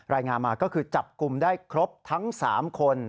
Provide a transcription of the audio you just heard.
รายงานมาก็คือจับกลุ่มได้ครบทั้ง๓คน